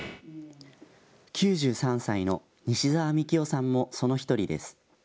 ９３歳の西澤幹夫さんもその１人です。